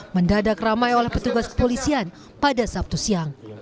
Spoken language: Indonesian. mendadak ramai oleh petugas kepolisian pada sabtu siang